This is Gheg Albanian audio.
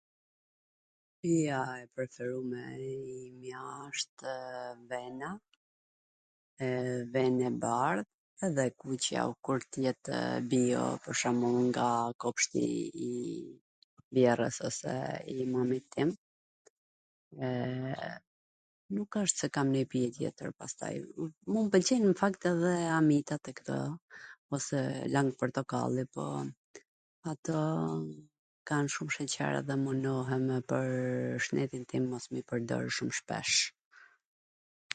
Pija e preferume imja wshtw vena, e ven e bardh dhe e kuqja kur t jetw bio, pwr shwmbull nga kopshti i vjehrrws ose i nunit tim, eee nuk asht se kam ndonj pije tjetwr pastaj,,, mu m pwlqejn nw fakt edhe amitat e kto, ose lang portokalli, po, ato kan shum sheqer dhe mundohem pwr shndetin tim mos me i pwrdor shum shpesh.